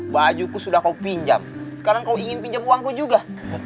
bajuku sudah kau pinjam sekarang kau ingin pinjam uangku juga